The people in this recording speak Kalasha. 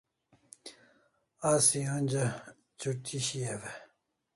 Asi onja ch'uti shiau e?